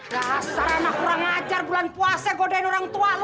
ya saran aku orang ngajar bulan puasa godain orang tua lu